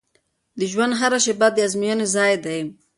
د ژوند هره شیبه د ازموینې ځای دی.